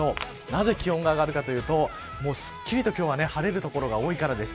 なぜ気温が上がるかというとすっきり今日は晴れる所が多いからです。